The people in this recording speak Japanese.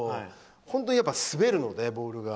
本当に滑るので、ボールが。